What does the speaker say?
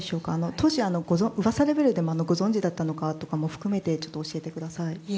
当時、噂レベルでもご存じだったのかも含めて教えてください。